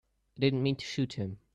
I didn't mean to shoot him.